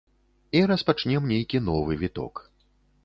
І распачнем нейкі новы віток.